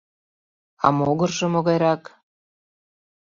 А могыржо могайрак?